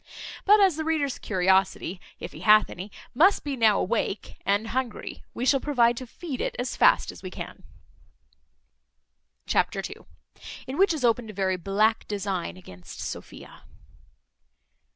But as the reader's curiosity (if he hath any) must be now awake, and hungry, we shall provide to feed it as fast as we can. Chapter ii. In which is opened a very black design against Sophia.